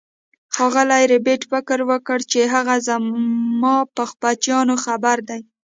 ښاغلي ربیټ فکر وکړ چې هغه زما په بچیانو خبر دی